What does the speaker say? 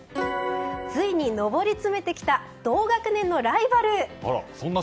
ついに登り詰めてきた同学年のライバル。